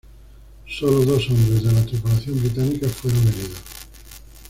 Solo dos hombres de la tripulación británica fueron heridos.